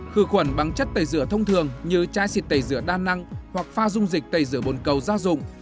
khử khuẩn bằng chất tẩy rửa thông thường như chai xịt tẩy rửa đa năng hoặc pha dung dịch tẩy rửa bồn cầu gia dụng